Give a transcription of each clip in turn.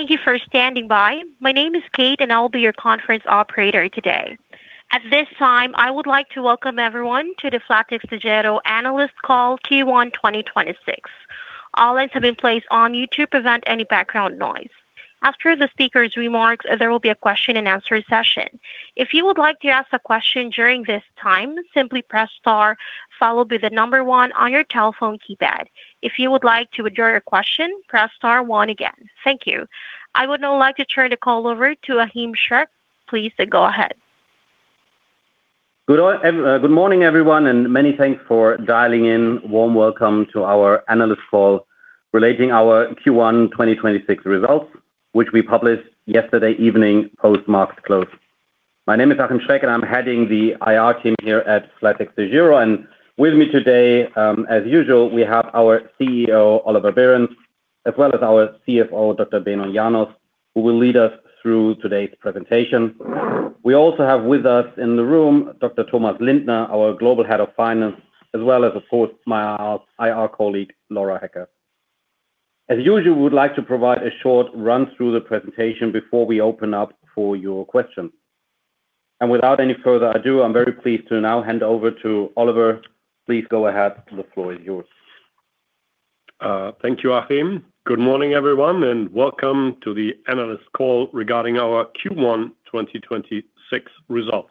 Thank you for standing by. My name is Kate, and I'll be your conference operator today. At this time, I would like to welcome everyone to the flatexDEGIRO analyst call Q1 2026. All lines have been placed on mute to prevent any background noise. After the speaker's remarks, there will be a question and answer session. If you would like to ask a question during this time, simply press star, followed by the number one on your telephone keypad. If you would like to withdraw your question, press star one again. Thank you. I would now like to turn the call over to Achim Schreck. Please go ahead. Good morning, everyone, and many thanks for dialing in. Warm welcome to our analyst call relating to our Q1 2026 results, which we published yesterday evening, post market close. My name is Achim Schreck, and I'm heading the IR team here at flatexDEGIRO, and with me today, as usual, we have our CEO, Oliver Behrens, as well as our CFO, Dr. Benon Janos, who will lead us through today's presentation. We also have with us in the room, Dr. Thomas Lindner, our global head of finance, as well as, of course, my IR colleague, Laura Hecker. As usual, we would like to provide a short run-through of the presentation before we open up for your questions. Without any further ado, I'm very pleased to now hand over to Oliver. Please go ahead. The floor is yours. Thank you, Achim. Good morning, everyone, and welcome to the analyst call regarding our Q1 2026 results.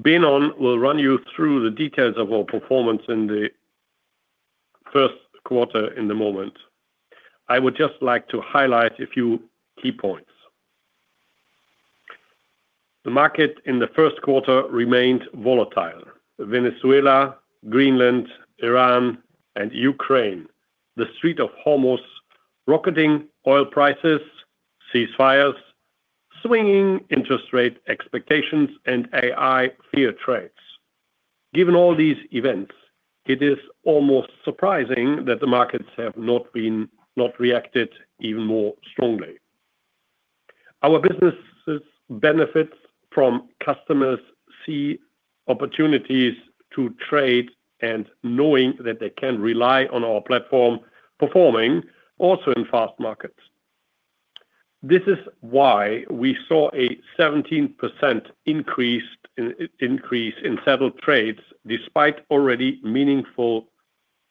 Benon will run you through the details of our performance in the first quarter in a moment. I would just like to highlight a few key points. The market in the first quarter remained volatile. Venezuela, Greenland, Iran, and Ukraine, the threat of Hamas, rocketing oil prices, ceasefires, swinging interest rate expectations, and AI fear trades. Given all these events, it is almost surprising that the markets have not reacted even more strongly. Our businesses benefit from customers seeing opportunities to trade and knowing that they can rely on our platform performing also in fast markets. This is why we saw a 17% increase in settled trades despite already meaningful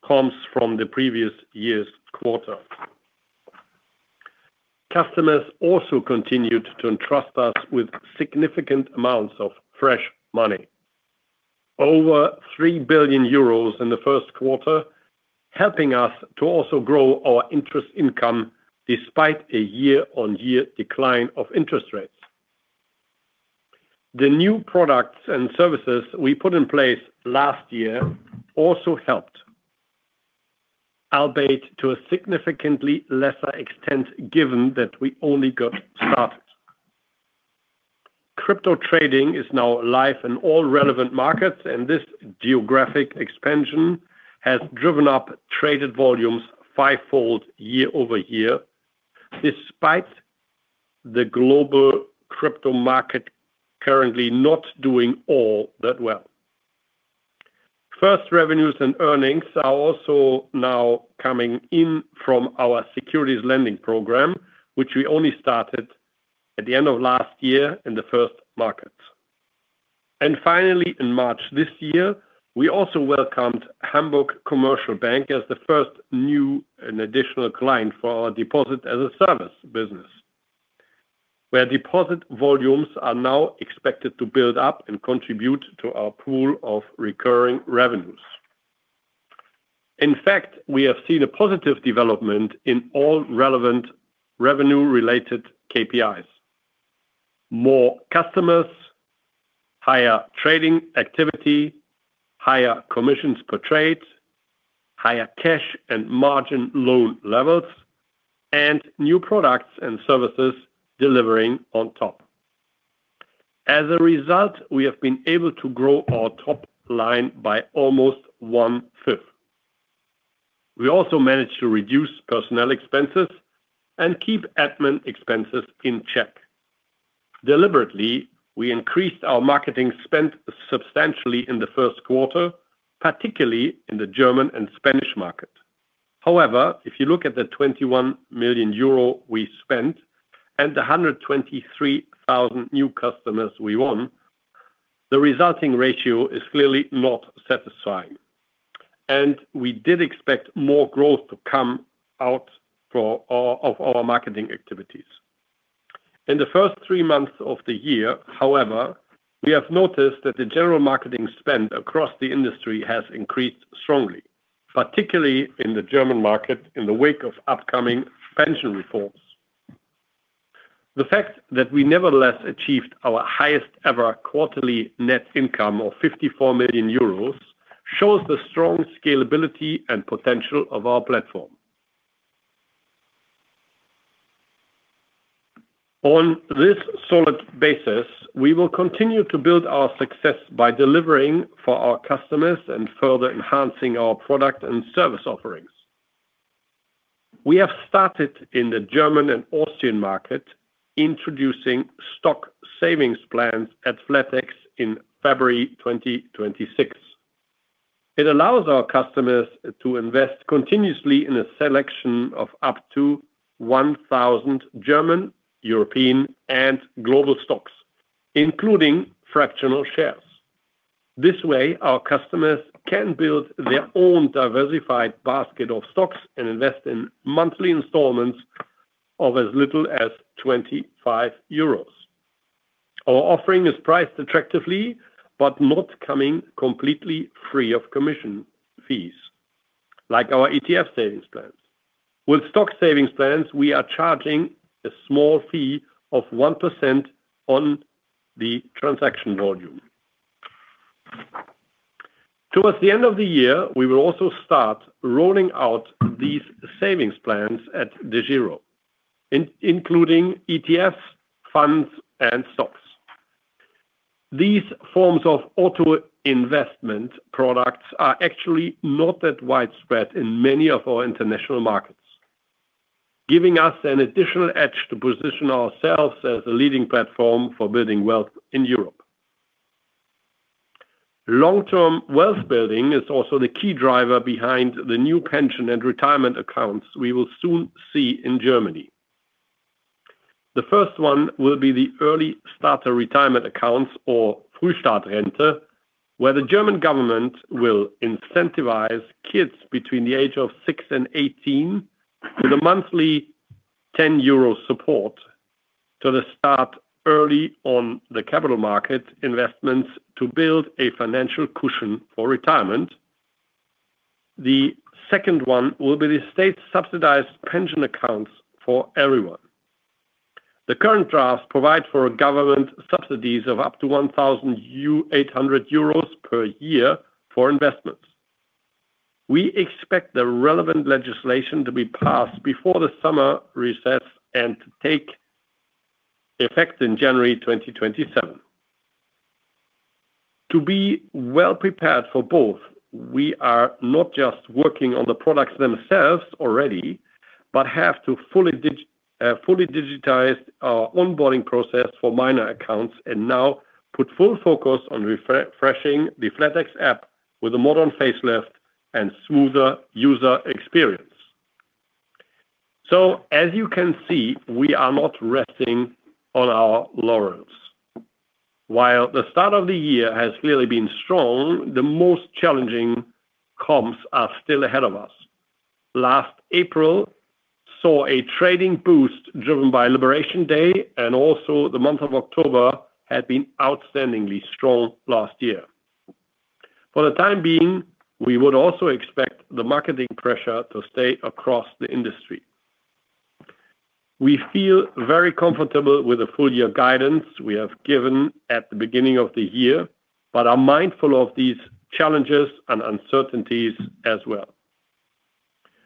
comps from the previous year's quarter. Customers also continued to entrust us with significant amounts of fresh money. Over 3 billion euros in the first quarter, helping us to also grow our interest income despite a year-on-year decline of interest rates. The new products and services we put in place last year also helped, albeit to a significantly lesser extent, given that we only got started. Crypto trading is now live in all relevant markets, and this geographic expansion has driven up traded volumes fivefold year-over-year, despite the global crypto market currently not doing all that well. First revenues and earnings are also now coming in from our securities lending program, which we only started at the end of last year in the first market. Finally, in March this year, we also welcomed Hamburg Commercial Bank as the first new and additional client for our Deposits as a Service business, where deposit volumes are now expected to build up and contribute to our pool of recurring revenues. In fact, we have seen a positive development in all relevant revenue-related KPIs. More customers, higher trading activity, higher commissions per trade, higher cash and margin loan levels, and new products and services delivering on top. As a result, we have been able to grow our top line by almost 1/5. We also managed to reduce personnel expenses and keep admin expenses in check. Deliberately, we increased our marketing spend substantially in the first quarter, particularly in the German and Spanish market. However, if you look at the 21 million euro we spent and the 123,000 new customers we won, the resulting ratio is clearly not satisfying, and we did expect more growth to come out of our marketing activities. In the first three months of the year, however, we have noticed that the general marketing spend across the industry has increased strongly, particularly in the German market in the wake of upcoming pension reforms. The fact that we nevertheless achieved our highest-ever quarterly net income of 54 million euros shows the strong scalability and potential of our platform. On this solid basis, we will continue to build our success by delivering for our customers and further enhancing our product and service offerings. We have started in the German and Austrian market, introducing stock savings plans at flatex in February 2026. It allows our customers to invest continuously in a selection of up to 1,000 German, European, and global stocks, including fractional shares. This way, our customers can build their own diversified basket of stocks and invest in monthly installments of as little as 25 euros. Our offering is priced attractively, but not coming completely free of commission fees, like our ETF savings plans. With stock savings plans, we are charging a small fee of 1% on the transaction volume. Towards the end of the year, we will also start rolling out these savings plans at DEGIRO, including ETFs, funds, and stocks. These forms of auto investment products are actually not that widespread in many of our international markets, giving us an additional edge to position ourselves as a leading platform for building wealth in Europe. Long-term wealth building is also the key driver behind the new pension and retirement accounts we will soon see in Germany. The first one will be the early starter retirement accounts or Frühstart-Rente, where the German government will incentivize kids between the age of six and 18 with a monthly 10 euro support to the start early on the capital market investments to build a financial cushion for retirement. The second one will be the state-subsidized pension accounts for everyone. The current draft provide for government subsidies of up to 1,800 euros per year for investments. We expect the relevant legislation to be passed before the summer recess and to take effect in January 2027. To be well prepared for both, we are not just working on the products themselves already but have to fully digitize our onboarding process for minor accounts and now put full focus on refreshing the flatex app with a modern facelift and smoother user experience. As you can see, we are not resting on our laurels. While the start of the year has clearly been strong, the most challenging comps are still ahead of us. Last April saw a trading boost driven by Liberation Day, and also the month of October had been outstandingly strong last year. For the time being, we would also expect the marketing pressure to stay across the industry. We feel very comfortable with the full year guidance we have given at the beginning of the year, but are mindful of these challenges and uncertainties as well.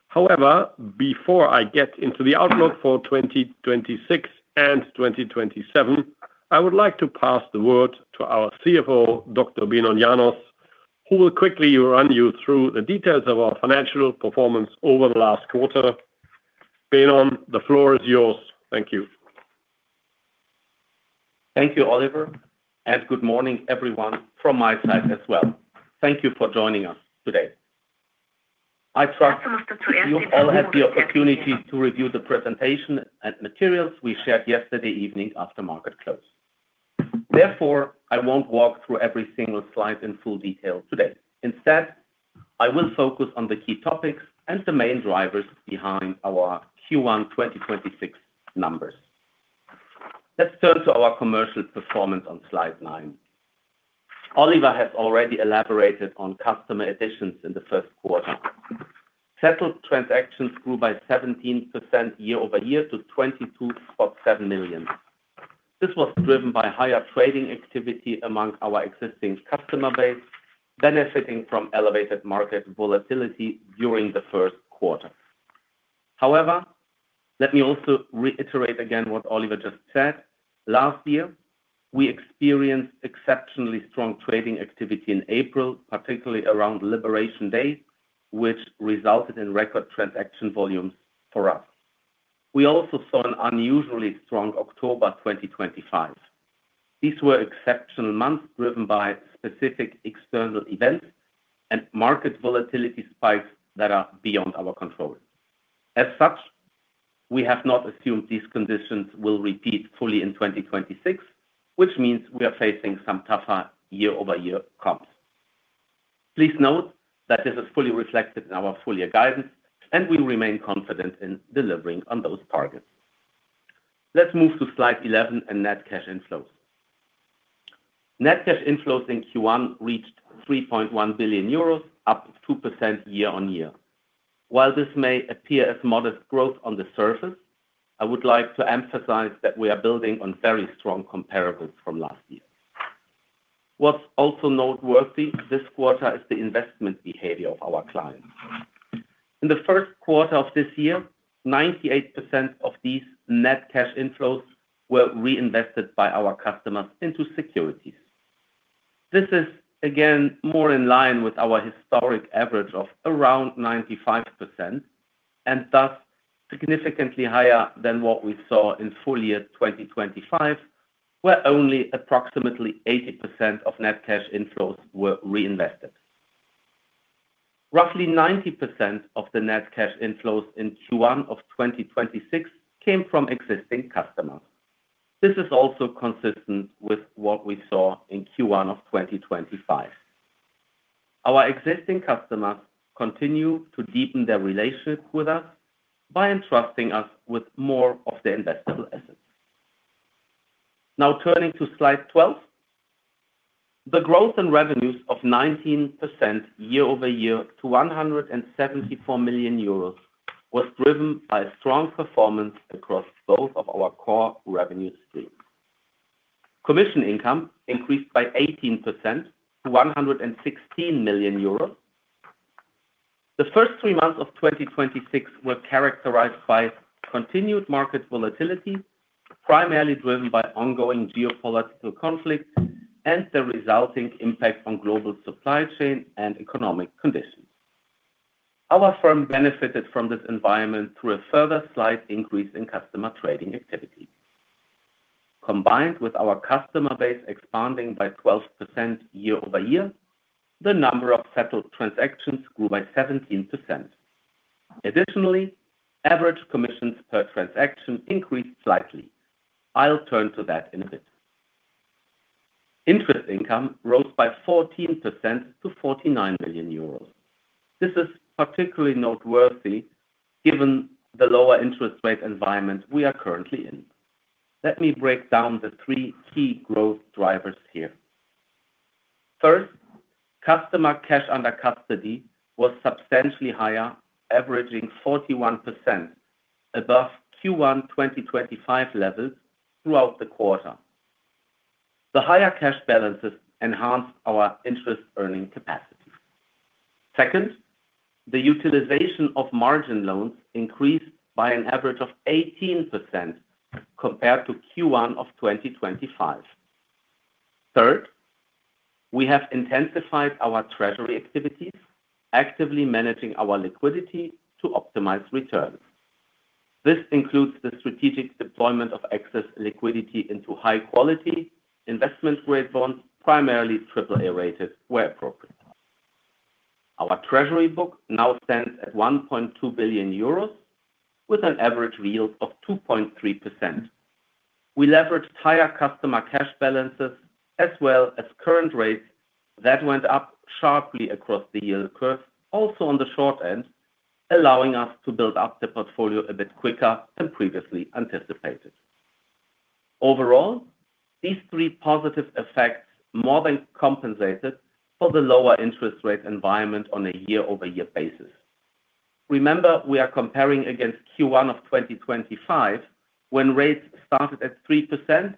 However, before I get into the outlook for 2026 and 2027, I would like to pass the word to our CFO, Dr. Benon Janos, who will quickly run you through the details of our financial performance over the last quarter. Benon, the floor is yours. Thank you. Thank you, Oliver. Good morning, everyone, from my side as well. Thank you for joining us today. I trust you all had the opportunity to review the presentation and materials we shared yesterday evening after market close. Therefore, I won't walk through every single slide in full detail today. Instead, I will focus on the key topics and the main drivers behind our Q1 2026 numbers. Let's turn to our commercial performance on slide nine. Oliver has already elaborated on customer additions in the first quarter. Settled transactions grew by 17% year-over-year to 22.7 million. This was driven by higher trading activity among our existing customer base, benefiting from elevated market volatility during the first quarter. However, let me also reiterate again what Oliver just said. Last year, we experienced exceptionally strong trading activity in April, particularly around Liberation Day, which resulted in record transaction volumes for us. We also saw an unusually strong October 2025. These were exceptional months driven by specific external events and market volatility spikes that are beyond our control. As such, we have not assumed these conditions will repeat fully in 2026, which means we are facing some tougher year-over-year comps. Please note that this is fully reflected in our full-year guidance, and we remain confident in delivering on those targets. Let's move to slide 11 in net cash inflows. Net cash inflows in Q1 reached 3.1 billion euros, up 2% year-over-year. While this may appear as modest growth on the surface, I would like to emphasize that we are building on very strong comparables from last year. What's also noteworthy this quarter is the investment behavior of our clients. In the first quarter of this year, 98% of these net cash inflows were reinvested by our customers into securities. This is, again, more in line with our historic average of around 95% and thus significantly higher than what we saw in full year 2025, where only approximately 80% of net cash inflows were reinvested. Roughly 90% of the net cash inflows in Q1 of 2026 came from existing customers. This is also consistent with what we saw in Q1 of 2025. Our existing customers continue to deepen their relationship with us by entrusting us with more of their investable assets. Now turning to slide 12. The growth in revenues of 19% year-over-year to 174 million euros was driven by strong performance across both of our core revenue streams. Commission income increased by 18% to 116 million euros. The first three months of 2026 were characterized by continued market volatility, primarily driven by ongoing geopolitical conflicts and the resulting impact on global supply chain and economic conditions. Our firm benefited from this environment through a further slight increase in customer trading activity. Combined with our customer base expanding by 12% year-over-year, the number of settled transactions grew by 17%. Additionally, average commissions per transaction increased slightly. I'll turn to that in a bit. Interest income rose by 14% to 49 million euros. This is particularly noteworthy given the lower interest rate environment we are currently in. Let me break down the three key growth drivers here. First, customer cash under custody was substantially higher, averaging 41% above Q1 2025 levels throughout the quarter. The higher cash balances enhanced our interest-earning capacity. Second, the utilization of margin loans increased by an average of 18% compared to Q1 of 2025. Third, we have intensified our treasury activities, actively managing our liquidity to optimize returns. This includes the strategic deployment of excess liquidity into high-quality investment-grade bonds, primarily triple A-rated, where appropriate. Our treasury book now stands at 1.2 billion euros with an average yield of 2.3%. We leveraged higher customer cash balances, as well as current rates that went up sharply across the yield curve, also on the short end, allowing us to build up the portfolio a bit quicker than previously anticipated. Overall, these three positive effects more than compensated for the lower interest rate environment on a year-over-year basis. Remember, we are comparing against Q1 of 2025, when rates started at 3%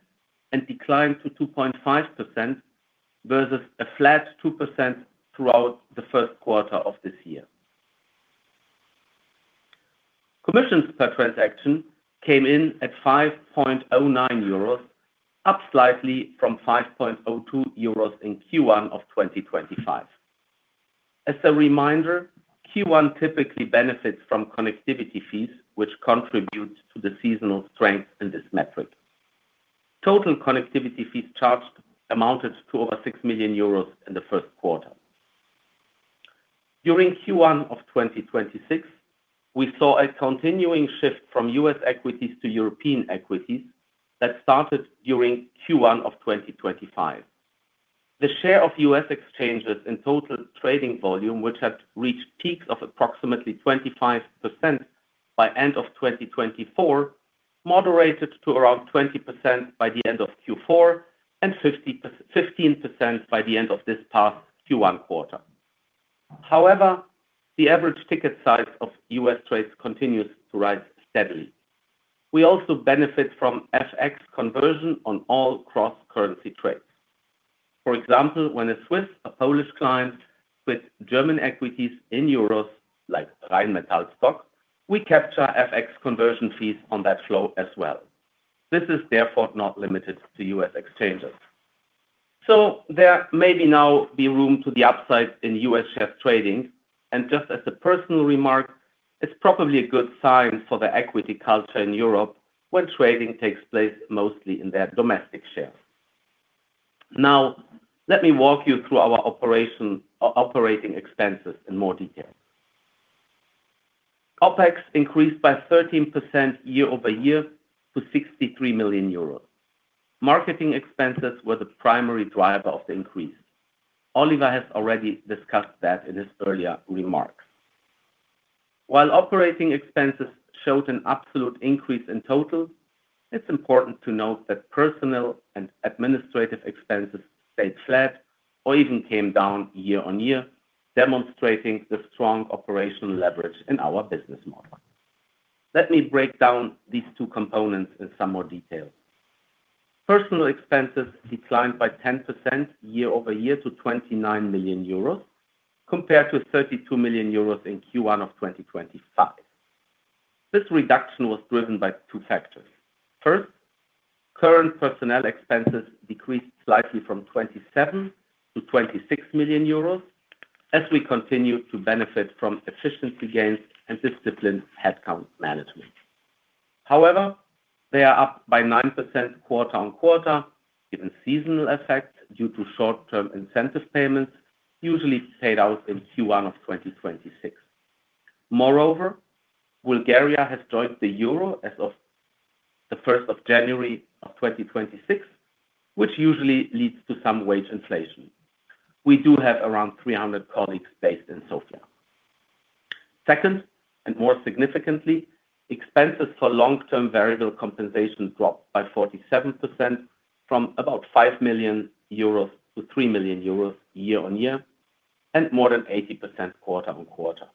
and declined to 2.5% versus a flat 2% throughout the first quarter of this year. Commissions per transaction came in at 5.09 euros, up slightly from 5.02 euros in Q1 of 2025. As a reminder, Q1 typically benefits from connectivity fees, which contribute to the seasonal strength in this metric. Total connectivity fees charged amounted to over 6 million euros in the first quarter. During Q1 of 2026, we saw a continuing shift from U.S. equities to European equities that started during Q1 of 2025. The share of U.S. exchanges in total trading volume, which had reached peaks of approximately 25% by end of 2024, moderated to around 20% by the end of Q4 and 15% by the end of this past Q1 quarter. However, the average ticket size of U.S. trades continues to rise steadily. We also benefit from FX conversion on all cross-currency trades. For example, when a Swiss, a Polish client, with German equities in euros, like Rheinmetall stock, we capture FX conversion fees on that flow as well. This is therefore not limited to U.S. exchanges. There may now be room to the upside in U.S. share trading, and just as a personal remark, it's probably a good sign for the equity culture in Europe when trading takes place mostly in their domestic shares. Now, let me walk you through our operating expenses in more detail. OpEx increased by 13% year-over-year to 63 million euros. Marketing expenses were the primary driver of the increase. Oliver has already discussed that in his earlier remarks. While operating expenses showed an absolute increase in total, it's important to note that personal and administrative expenses stayed flat or even came down year-over-year, demonstrating the strong operational leverage in our business model. Let me break down these two components in some more detail. Personal expenses declined by 10% year-over-year to 29 million euros, compared to 32 million euros in Q1 of 2025. This reduction was driven by two factors. First, current personnel expenses decreased slightly from 27 million-26 million euros. As we continue to benefit from efficiency gains and disciplined headcount management. However, they are up by 9% quarter-over-quarter, given seasonal effects due to short-term incentive payments usually paid out in Q1 of 2026. Moreover, Bulgaria has joined the euro as of the 1st of January of 2026, which usually leads to some wage inflation. We do have around 300 colleagues based in Sofia. Second, and more significantly, expenses for long-term variable compensation dropped by 47% from about 5 million euros to 3 million euros year-over-year, and more than 80% quarter-over-quarter.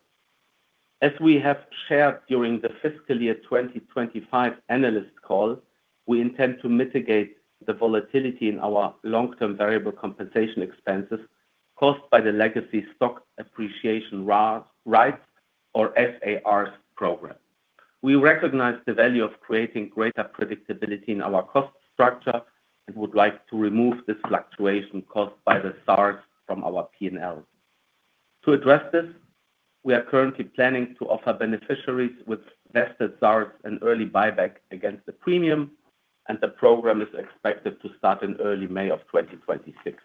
As we have shared during the fiscal year 2025 analyst call, we intend to mitigate the volatility in our long-term variable compensation expenses caused by the legacy stock appreciation rights or SARs program. We recognize the value of creating greater predictability in our cost structure and would like to remove this fluctuation caused by the SARs from our P&L. To address this, we are currently planning to offer beneficiaries with vested SARs an early buyback against the premium, and the program is expected to start in early May of 2026.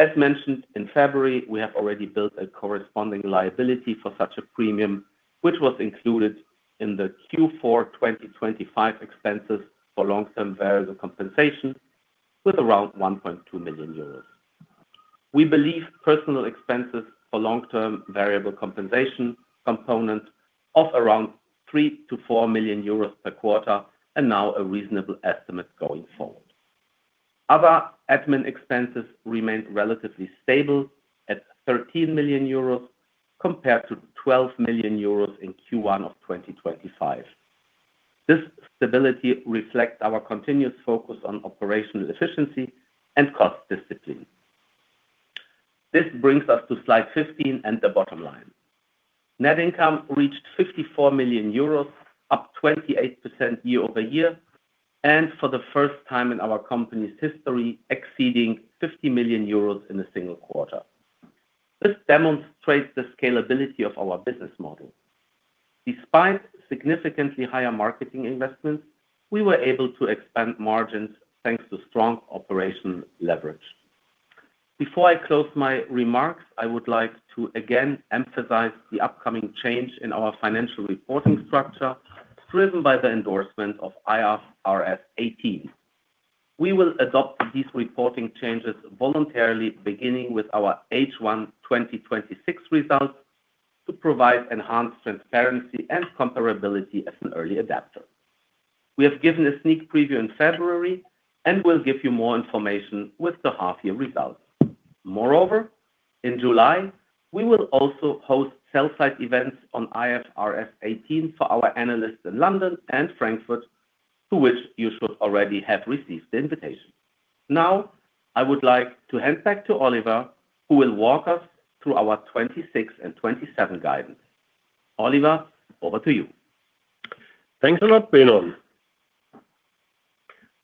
As mentioned in February, we have already built a corresponding liability for such a premium, which was included in the Q4 2025 expenses for long-term variable compensation with around 1.2 million euros. We believe personal expenses for long-term variable compensation component of around 3 million-4 million euros per quarter are now a reasonable estimate going forward. Other admin expenses remained relatively stable at 13 million euros compared to 12 million euros in Q1 of 2025. This stability reflects our continued focus on operational efficiency and cost discipline. This brings us to slide 15 and the bottom line. Net income reached 54 million euros, up 28% year-over-year, and for the first time in our company's history, exceeding 50 million euros in a single quarter. This demonstrates the scalability of our business model. Despite significantly higher marketing investments, we were able to expand margins thanks to strong operational leverage. Before I close my remarks, I would like to again emphasize the upcoming change in our financial reporting structure, driven by the endorsement of IFRS 18. We will adopt these reporting changes voluntarily, beginning with our H1 2026 results, to provide enhanced transparency and comparability as an early adopter. We have given a sneak preview in February, and will give you more information with the half-year results. Moreover, in July, we will also host sell-side events on IFRS 18 for our analysts in London and Frankfurt. To which you should already have received the invitation. Now, I would like to hand back to Oliver, who will walk us through our 2026 and 2027 guidance. Oliver, over to you. Thanks a lot, Benon.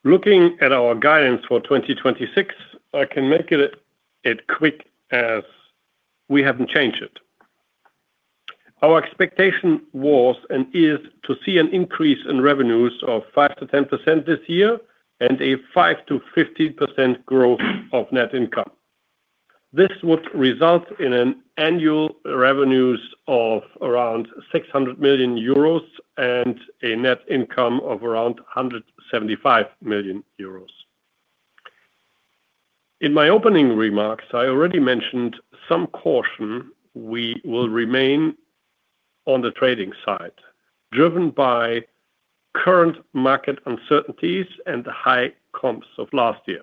Looking at our guidance for 2026, I can make it quick as we haven't changed it. Our expectation was and is to see an increase in revenues of 5%-10% this year and a 5%-15% growth of net income. This would result in annual revenues of around 600 million euros and a net income of around 175 million euros. In my opening remarks, I already mentioned some caution we will remain on the trading side, driven by current market uncertainties and the high comps of last year.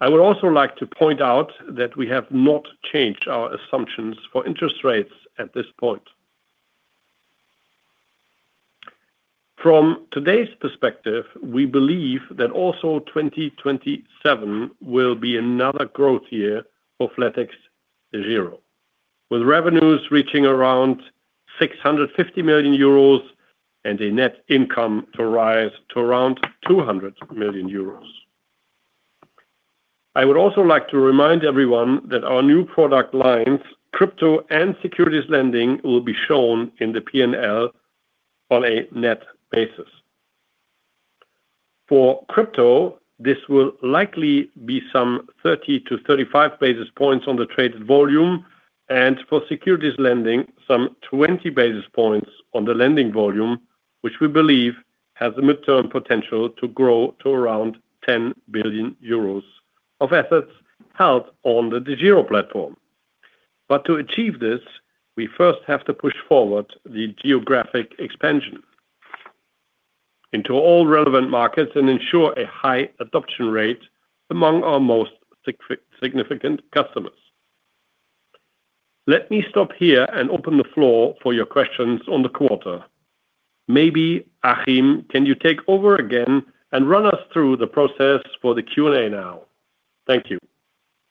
I would also like to point out that we have not changed our assumptions for interest rates at this point. From today's perspective, we believe that also 2027 will be another growth year for flatexDEGIRO, with revenues reaching around 650 million euros and a net income to rise to around 200 million euros. I would also like to remind everyone that our new product lines, crypto and securities lending, will be shown in the P&L on a net basis. For crypto, this will likely be some 30-35 basis points on the traded volume, and for securities lending, some 20 basis points on the lending volume, which we believe has the midterm potential to grow to around 10 billion euros of assets held on the DEGIRO platform. To achieve this, we first have to push forward the geographic expansion into all relevant markets and ensure a high adoption rate among our most significant customers. Let me stop here and open the floor for your questions on the quarter. Maybe, Achim, can you take over again and run us through the process for the Q&A now? Thank you.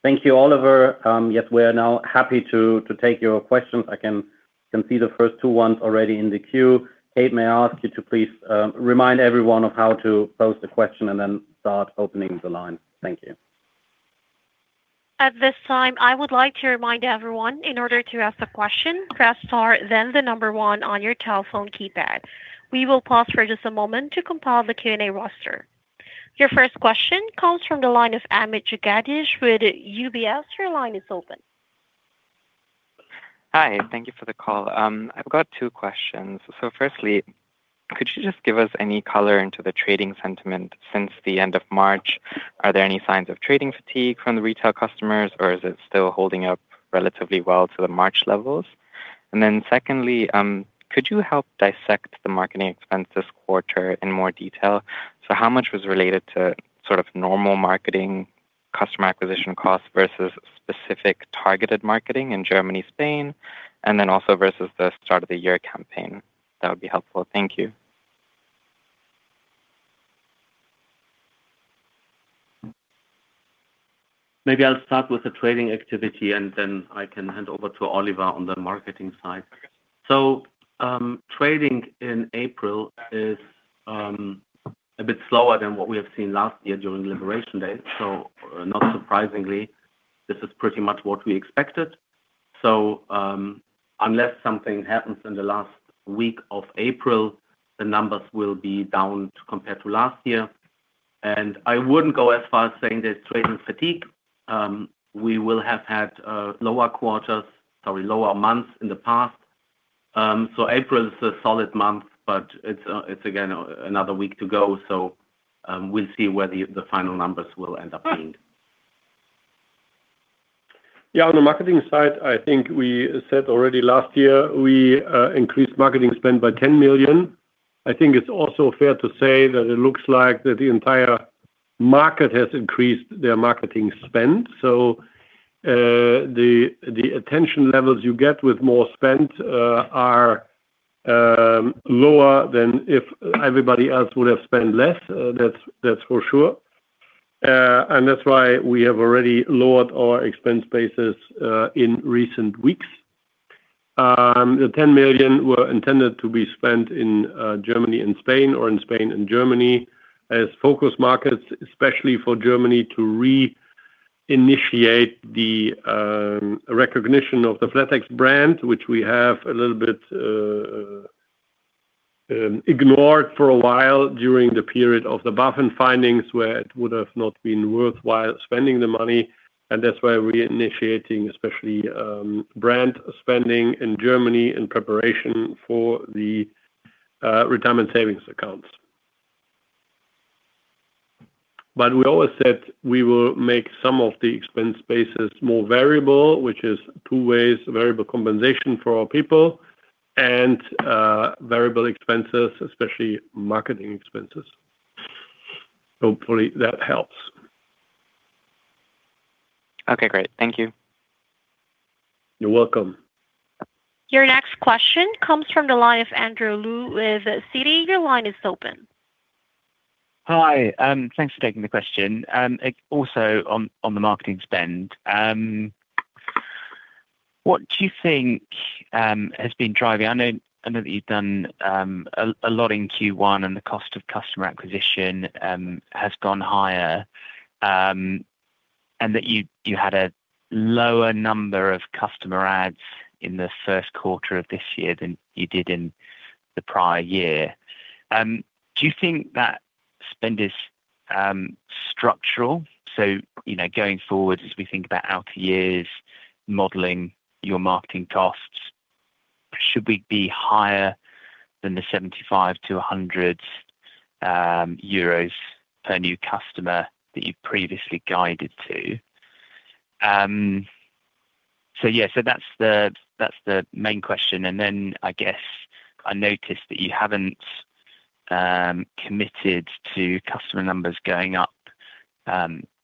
Thank you, Oliver. Yes, we are now happy to take your questions. I can see the first two ones already in the queue. Kate, may I ask you to please remind everyone of how to pose a question and then start opening the line? Thank you. At this time, I would like to remind everyone, in order to ask a question, press star then the number one on your telephone keypad. We will pause for just a moment to compile the Q&A roster. Your first question comes from the line of Amit Jagadeesh with UBS. Your line is open. Hi. Thank you for the call. I've got two questions. Firstly, could you just give us any color into the trading sentiment since the end of March? Are there any signs of trading fatigue from the retail customers, or is it still holding up relatively well to the March levels? Secondly, could you help dissect the marketing expense this quarter in more detail? How much was related to sort of normal marketing customer acquisition costs versus specific targeted marketing in Germany, Spain, and then also versus the start-of-the-year campaign? That would be helpful. Thank you. Maybe I'll start with the trading activity, and then I can hand over to Oliver on the marketing side. Trading in April is a bit slower than what we have seen last year during Liberation Day. Not surprisingly, this is pretty much what we expected. Unless something happens in the last week of April, the numbers will be down compared to last year. I wouldn't go as far as saying there's trading fatigue. We will have had lower quarters, sorry, lower months in the past. April is a solid month, but it's again, another week to go. We'll see where the final numbers will end up being. Yeah, on the marketing side, I think we said already last year, we increased marketing spend by 10 million. I think it's also fair to say that it looks like that the entire market has increased their marketing spend. The attention levels you get with more spend are lower than if everybody else would have spent less, that's for sure. That's why we have already lowered our expense bases in recent weeks. 10 million were intended to be spent in Germany and Spain or in Spain and Germany as focus markets, especially for Germany to reinitiate the recognition of the flatex brand, which we have a little bit ignored for a while during the period of the BaFin findings where it would have not been worthwhile spending the money, and that's why we're initiating, especially brand spending in Germany in preparation for the retirement savings accounts. We always said we will make some of the expense bases more variable, which is two ways, variable compensation for our people and variable expenses, especially marketing expenses. Hopefully, that helps. Okay, great. Thank you. You're welcome. Your next question comes from the line of Andrew Lowe with Citi. Your line is open. Hi. Thanks for taking the question. Also on the marketing spend, what do you think has been driving, I know that you've done a lot in Q1, and the cost of customer acquisition has gone higher, and that you had a lower number of customer adds in the first quarter of this year than you did in the prior year. Do you think that spend is structural? Going forward, as we think about out years modeling your marketing costs, should we be higher than the 75-100 euros per new customer that you previously guided to? Yeah. That's the main question, and then I guess I noticed that you haven't committed to customer numbers going up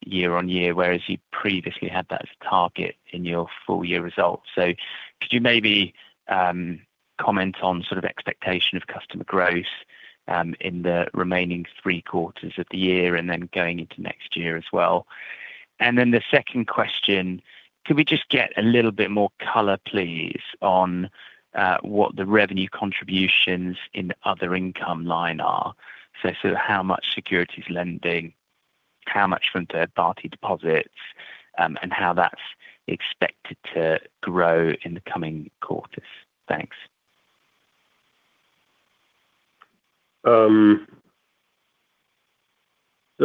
year-on-year, whereas you previously had that as a target in your full year results. Could you maybe comment on sort of expectation of customer growth in the remaining three quarters of the year and then going into next year as well? The second question, could we just get a little bit more color, please, on what the revenue contributions in other income line are? Sort of how much securities lending, how much from third-party deposits, and how that's expected to grow in the coming quarters. Thanks. The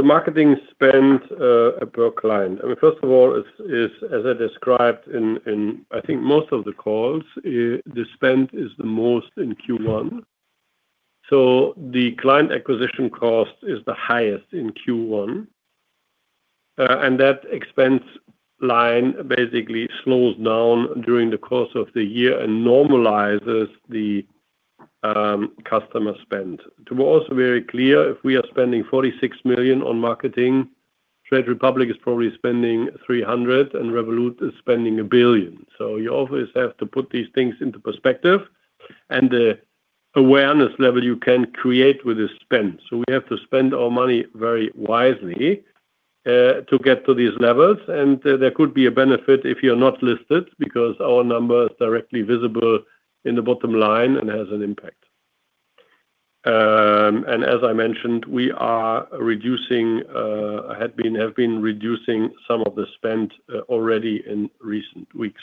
marketing spend per client. I mean, first of all, as I described in I think most of the calls, the spend is the most in Q1. The client acquisition cost is the highest in Q1. That expense line basically slows down during the course of the year and normalizes the customer spend. To be also very clear, if we are spending 46 million on marketing, Trade Republic is probably spending 300 million, and Revolut is spending 1 billion. You always have to put these things into perspective. The awareness level you can create with this spend. We have to spend our money very wisely to get to these levels, and there could be a benefit if you're not listed, because our number is directly visible in the bottom line and has an impact. As I mentioned, we have been reducing some of the spend already in recent weeks.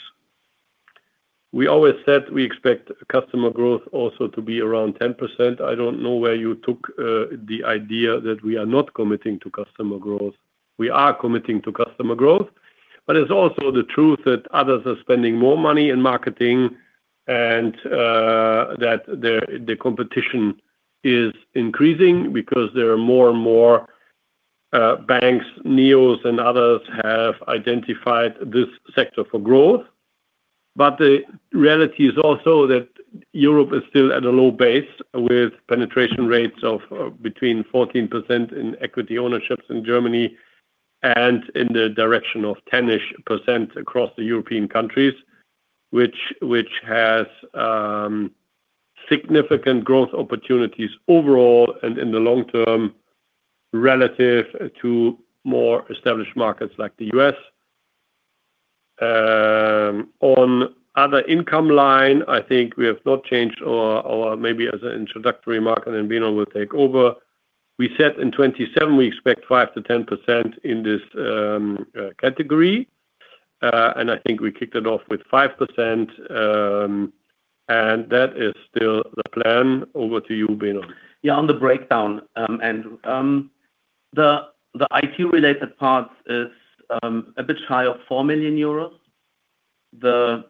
We always said we expect customer growth also to be around 10%. I don't know where you took the idea that we are not committing to customer growth. We are committing to customer growth, but it's also the truth that others are spending more money in marketing and that the competition is increasing because there are more and more banks, neos and others have identified this sector for growth. The reality is also that Europe is still at a low base with penetration rates of between 14% in equity ownerships in Germany and in the direction of 10-ish% across the European countries, which has significant growth opportunities overall and in the long term relative to more established markets like the U.S. On other income line, I think we have not changed or maybe as an introductory mark and then Benon will take over. We said in 2027, we expect 5%-10% in this category. I think we kicked it off with 5% and that is still the plan. Over to you, Benon. Yeah. On the breakdown, the IT-related part is a bit higher, 4 million euros. The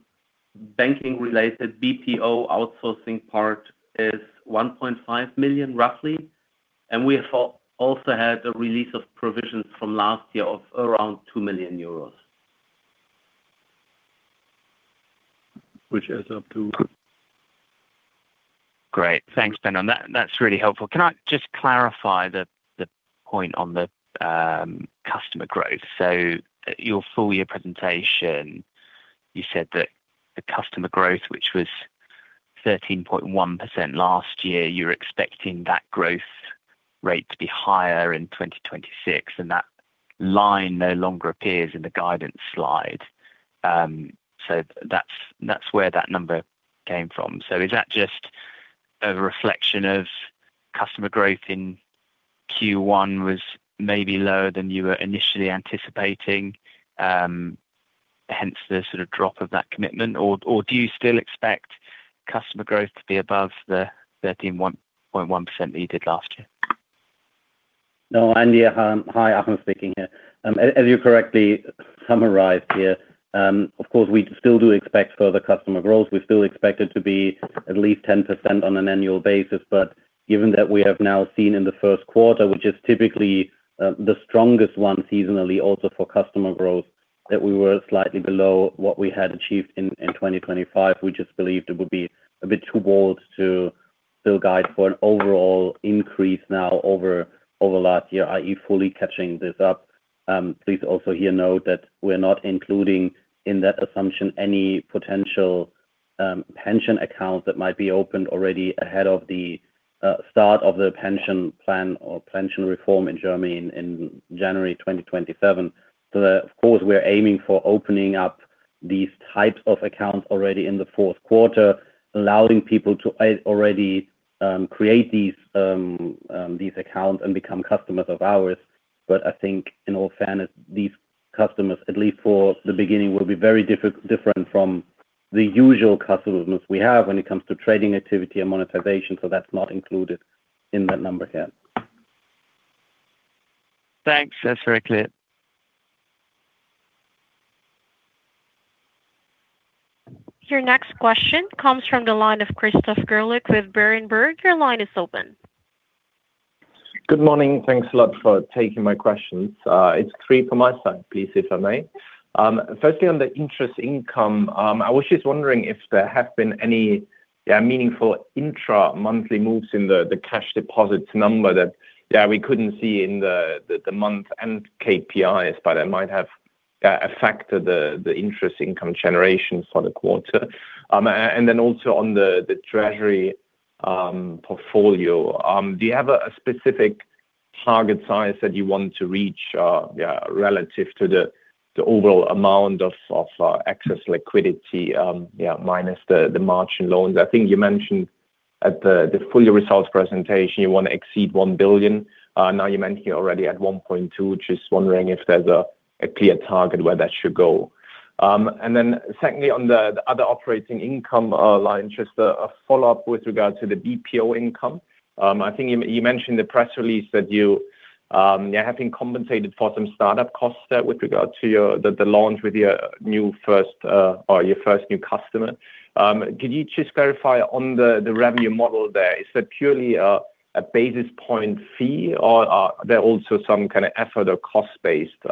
banking-related BPO outsourcing part is 1.5 million roughly, and we have also had a release of provisions from last year of around 2 million euros. Which adds up to? Great. Thanks, Benon. That's really helpful. Can I just clarify the point on the customer growth? Your full-year presentation, you said that the customer growth, which was 13.1% last year, you're expecting that growth rate to be higher in 2026, and that line no longer appears in the guidance slide. That's where that number came from. Is that just a reflection of customer growth in Q1 was maybe lower than you were initially anticipating, hence the sort of drop of that commitment? Or do you still expect customer growth to be above the 13.1% that you did last year? No, Andy. Hi, Achim speaking here. As you correctly summarized here, of course, we still do expect further customer growth. We still expect it to be at least 10% on an annual basis, but given that we have now seen in the first quarter, which is typically the strongest one seasonally also for customer growth, that we were slightly below what we had achieved in 2025. We just believed it would be a bit too bold to still guide for an overall increase now over last year, i.e. fully catching this up. Please also here note that we're not including in that assumption any potential pension accounts that might be opened already ahead of the start of the pension plan or pension reform in Germany in January 2027. Of course, we're aiming for opening up these types of accounts already in the fourth quarter, allowing people to already create these accounts and become customers of ours. But I think in all fairness, these customers, at least for the beginning, will be very different from the usual customers we have when it comes to trading activity and monetization. That's not included in that number here. Thanks. That's very clear. Your next question comes from the line of Christoph Greulich with Berenberg. Your line is open. Good morning. Thanks a lot for taking my questions. It's three from my side, please, if I may. Firstly, on the interest income, I was just wondering if there have been any meaningful intra-monthly moves in the cash deposits number that we couldn't see in the month-end KPIs, but that might have affected the interest income generation for the quarter. Then also on the treasury portfolio, do you have a specific target size that you want to reach relative to the overall amount of excess liquidity minus the margin loans? I think you mentioned at the full-year results presentation you want to exceed 1 billion. Now you mentioned you're already at 1.2 billion, just wondering if there's a clear target where that should go. Then secondly, on the other operating income line, just a follow-up with regard to the BPO income. I think you mentioned the press release that you have been compensated for some startup costs there with regard to the launch with your first new customer. Could you just clarify on the revenue model there, is that purely a basis point fee or are there also some kind of effort or cost-based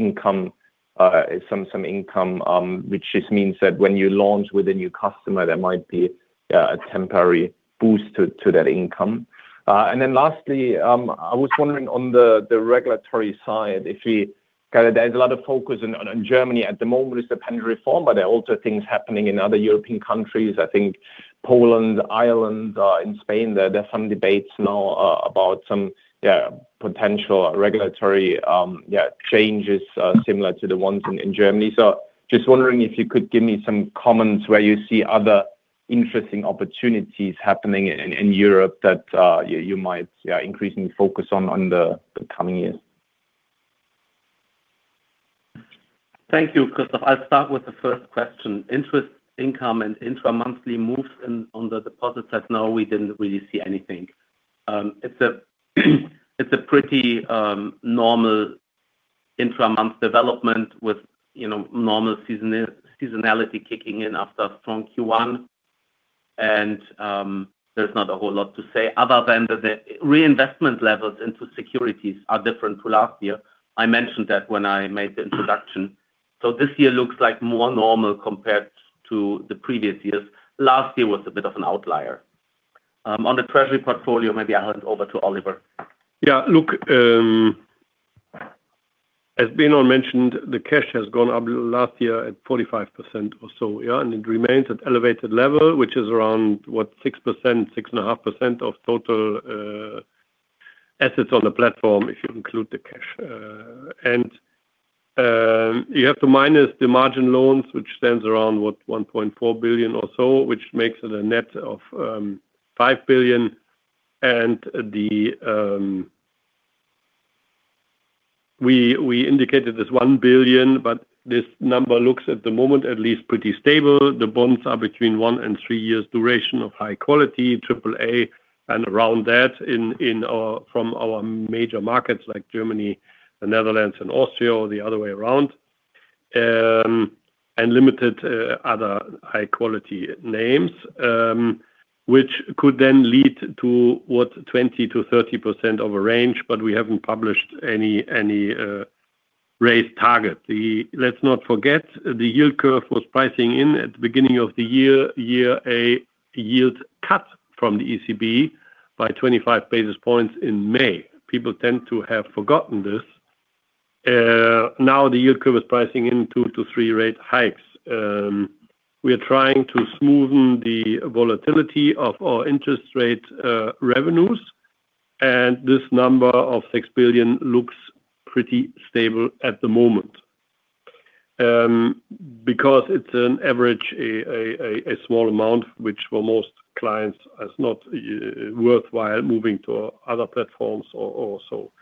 income, some income which just means that when you launch with a new customer, there might be a temporary boost to that income? Lastly, I was wondering on the regulatory side. There is a lot of focus on Germany. At the moment it's the pension reform, but there are also things happening in other European countries. I think Poland, Ireland, in Spain, there's some debates now about some potential regulatory changes similar to the ones in Germany. Just wondering if you could give me some comments where you see other interesting opportunities happening in Europe that you might be increasingly focus on the coming years? Thank you, Christoph. I'll start with the first question. Interest income and intra-monthly moves on the deposit side. No, we didn't really see anything. It's a pretty normal intra-month development with normal seasonality kicking in after a strong Q1. There's not a whole lot to say other than that the reinvestment levels into securities are different to last year. I mentioned that when I made the introduction. This year looks more normal compared to the previous years. Last year was a bit of an outlier. On the treasury portfolio, maybe I'll hand over to Oliver. Yeah. Look, as Benon mentioned, the cash has gone up last year at 45% or so. Yeah, it remains at elevated level, which is around, what, 6%, 6.5% of total assets on the platform if you include the cash. You have to minus the margin loans, which stands around, what, 1.4 billion or so, which makes it a net of 5 billion. We indicated this 1 billion, but this number looks, at the moment at least, pretty stable. The bonds are between one and three years duration of high quality, triple A and around that from our major markets like Germany, the Netherlands and Austria, or the other way around. Limited other high-quality names, which could then lead to what, 20%-30% of a range, but we haven't published any raised target. Let's not forget, the yield curve was pricing in at the beginning of the year, a yield cut from the ECB by 25 basis points in May. People tend to have forgotten this. Now the yield curve is pricing in two to three rate hikes. We are trying to smoothen the volatility of our interest rate revenues, and this number of 6 billion looks pretty stable at the moment. Because it's on average a small amount, which for most clients is not worthwhile moving to other platforms or so.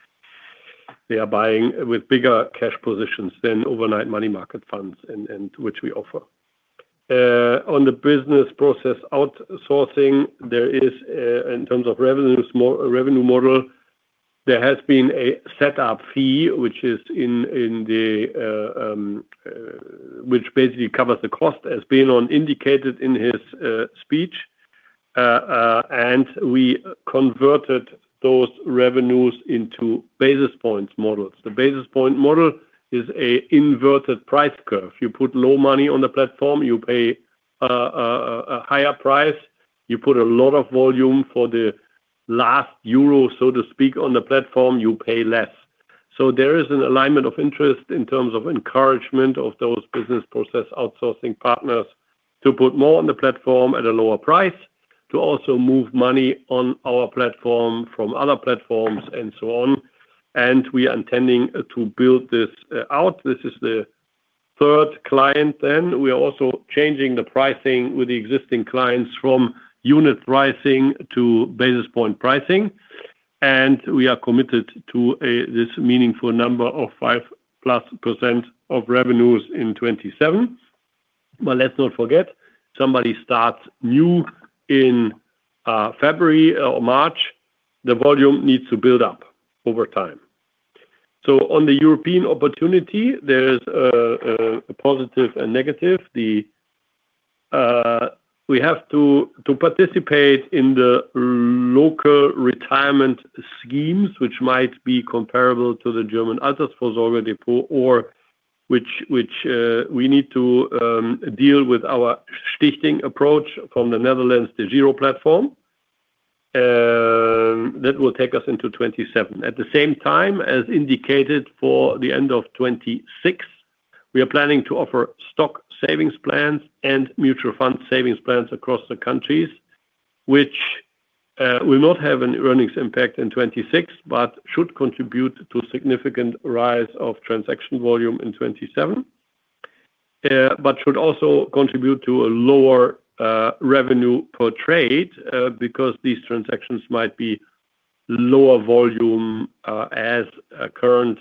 They are buying with bigger cash positions than overnight money market funds and which we offer. On the business process outsourcing, there is, in terms of revenue model, there has been a setup fee, which basically covers the cost, as Benon indicated in his speech. We converted those revenues into basis points models. The basis point model is an inverted price curve. You put low money on the platform, you pay a higher price. You put a lot of volume for the last euro, so to speak, on the platform, you pay less. There is an alignment of interest in terms of encouragement of those business process outsourcing partners to put more on the platform at a lower price, to also move money on our platform from other platforms and so on. We are intending to build this out. This is the third client then. We are also changing the pricing with the existing clients from unit pricing to basis point pricing. We are committed to this meaningful number of 5%+ of revenues in 2027. Let's not forget, somebody starts new in February or March. The volume needs to build up over time. On the European opportunity, there is a positive and negative. We have to participate in the local retirement schemes, which might be comparable to the German Frühstart-Rente or which we need to deal with our Stichting approach from the Netherlands, the DEGIRO platform. That will take us into 2027. At the same time, as indicated for the end of 2026, we are planning to offer stock savings plans and mutual fund savings plans across the countries, which will not have an earnings impact in 2026, but should contribute to significant rise of transaction volume in 2027. Should also contribute to a lower revenue per trade, because these transactions might be lower volume as current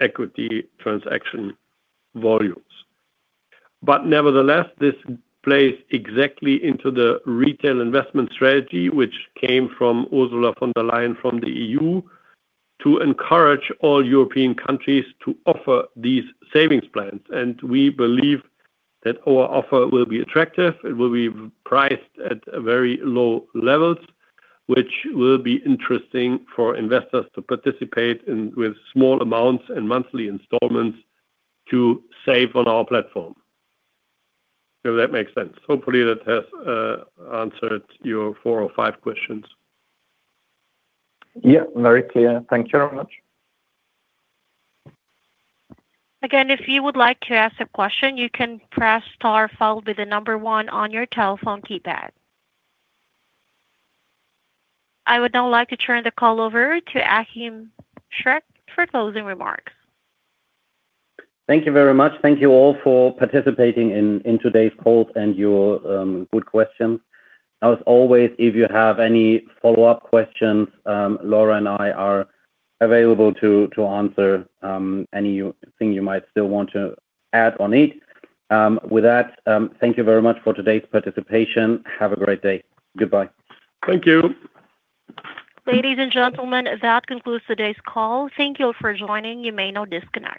equity transaction volumes. Nevertheless, this plays exactly into the retail investment strategy, which came from Ursula von der Leyen from the EU to encourage all European countries to offer these savings plans. We believe that our offer will be attractive. It will be priced at very low levels, which will be interesting for investors to participate in with small amounts and monthly installments to save on our platform. If that makes sense. Hopefully that has answered your four or five questions. Yeah. Very clear. Thank you very much. Again, if you would like to ask a question, you can press star followed by the number one on your telephone keypad. I would now like to turn the call over to Achim Schreck for closing remarks. Thank you very much. Thank you all for participating in today's call and your good questions. As always, if you have any follow-up questions, Laura and I are available to answer anything you might still want to add or need. With that, thank you very much for today's participation. Have a great day. Goodbye. Thank you. Ladies and gentlemen, that concludes today's call. Thank you for joining. You may now disconnect.